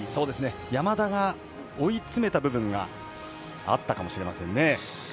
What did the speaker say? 山田が追い詰めた部分があったかもしれませんね。